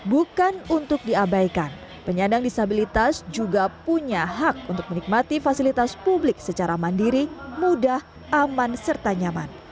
bukan untuk diabaikan penyandang disabilitas juga punya hak untuk menikmati fasilitas publik secara mandiri mudah aman serta nyaman